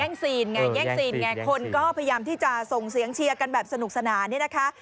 ซีนไงแย่งซีนไงคนก็พยายามที่จะส่งเสียงเชียร์กันแบบสนุกสนานเนี่ยนะคะ